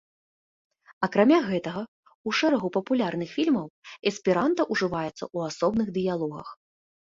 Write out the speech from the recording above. Акрамя гэтага, у шэрагу папулярных фільмаў эсперанта ужываецца ў асобных дыялогах.